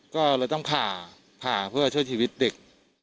ก็เลยต้องผ่าผ่าเพื่อช่วยชีวิตเด็ก